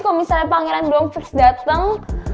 kalo misalnya pangeran belum first dateng